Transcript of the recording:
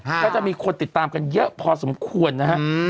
ก็จะมีคนติดตามกันเยอะพอสมควรนะฮะ